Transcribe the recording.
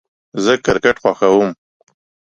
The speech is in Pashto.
زه کرکټ خوښوم